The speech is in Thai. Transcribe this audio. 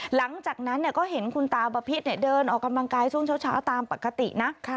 หลังจากนั้นก็เห็นคุณตาบพิษเดินออกกำลังกายช่วงเช้าตามปกตินะ